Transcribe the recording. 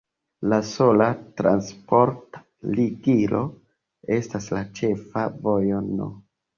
La sola transporta ligilo estas la ĉefa vojo No.